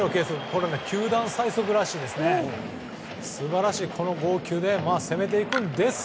これ、球団最速らしいです。